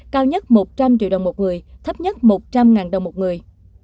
cao nhất một trăm linh triệu đồng một người thấp nhất một trăm linh đồng một người